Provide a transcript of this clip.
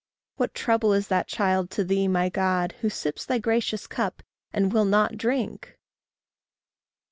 What trouble is that child to thee, my God, Who sips thy gracious cup, and will not drink!